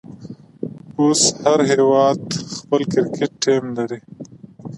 اوس هر هيواد خپل کرکټ ټيم لري.